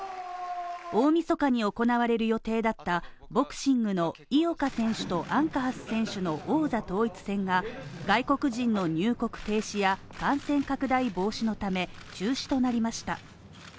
大晦日に行われる予定だったボクシングの井岡選手とアンカハス選手の王座統一戦が外国人の入国停止や感染拡大防止のため中止となりました。